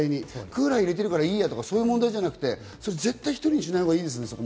クーラー入れてるからいいやとか、そういう問題じゃなくて、絶対１人にしないほうがいいですね。